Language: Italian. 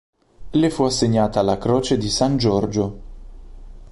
Le fu assegnata la Croce di San Giorgio.